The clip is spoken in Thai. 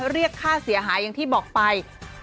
เรียกค่าเสียหายอย่างที่บอกไป